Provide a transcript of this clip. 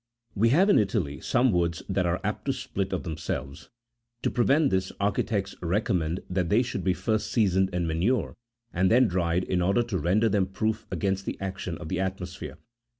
"We have in Italy some woods that are apt to split of themselves : to prevent this, architects recommend that they should be first seasoned in manure44 and then dried, in order to render them proof against the action of the atmosphere.